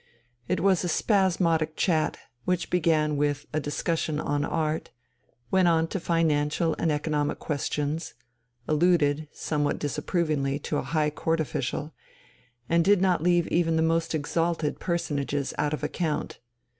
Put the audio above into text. It was a spasmodic chat, which began with a discussion on art, went on to financial and economic questions, alluded, somewhat disapprovingly, to a High Court official, and did not leave even the most exalted personages out of account.